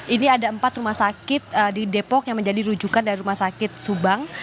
ini ada empat rumah sakit di depok yang menjadi rujukan dari rumah sakit subang